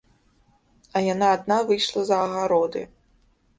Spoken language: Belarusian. А яна адна выйшла за агароды.